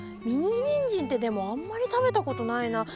ミニニンジンってでもあんまり食べたことないな。